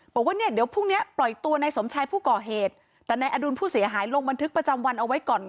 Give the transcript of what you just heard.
บอกว่าเนี่ยเดี๋ยวพรุ่งเนี้ยปล่อยตัวนายสมชายผู้ก่อเหตุแต่นายอดุลผู้เสียหายลงบันทึกประจำวันเอาไว้ก่อน